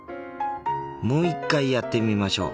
もう一回やってみましょう。